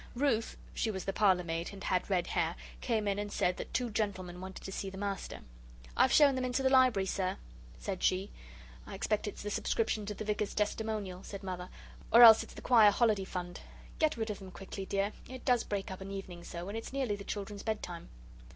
Ruth she was the parlour maid and had red hair came in and said that two gentlemen wanted to see the master. "I've shown them into the Library, Sir," said she. "I expect it's the subscription to the Vicar's testimonial," said Mother, "or else it's the choir holiday fund. Get rid of them quickly, dear. It does break up an evening so, and it's nearly the children's bedtime."